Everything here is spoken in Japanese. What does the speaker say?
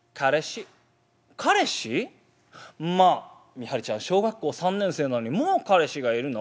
ミハルちゃん小学校３年生なのにもう彼氏がいるの？」。